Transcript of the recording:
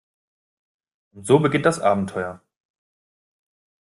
Und so beginnt das Abenteuer.